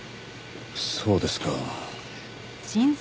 そうですか。